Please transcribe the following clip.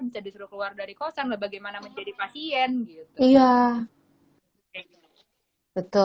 bisa disuruh keluar dari kosong dan sebagainya gitu loh